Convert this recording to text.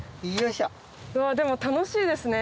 でも楽しいですね。